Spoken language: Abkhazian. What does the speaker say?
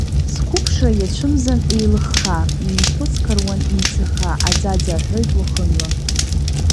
Сқәыԥшра иацәымзан еилыхха, еимхәыц қаруан имцаха, аӡаӡа аҳәоит уахынла…